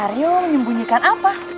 mas arif menyembunyikan apa